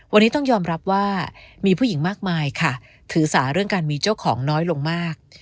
วันนี้ต้องยอมรับว่ามีผู้หญิงมากมายค่ะถือสาเรื่องการมีเจ้าของน้อยลงมาก